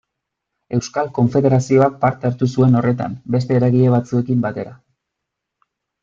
Euskal Konfederazioak parte hartu zuen horretan beste eragile batzuekin batera.